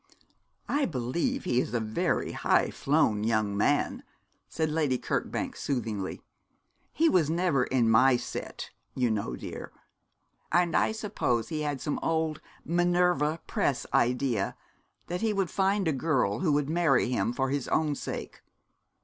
'I believe he is a very high flown young man,' said Lady Kirkbank, soothingly; 'he was never in my set, you know, dear. And I suppose he had some old Minerva press idea that he would find a girl who would marry him for his own sake.